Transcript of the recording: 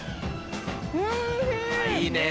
いいね。